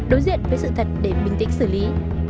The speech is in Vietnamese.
đối diện với sự thật để bình tĩnh xử lý